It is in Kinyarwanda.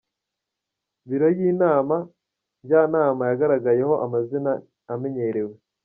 Biro y’Inama Njyanama yagaragayemo amazina amenyerewe.